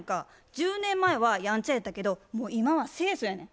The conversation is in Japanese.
１０年前はヤンチャやったけどもう今は清楚やねん。